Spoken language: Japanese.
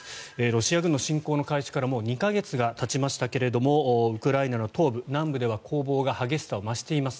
ロシア軍の侵攻の開始からもう２か月がたちましたがウクライナの東部、南部では攻防が激しさを増しています。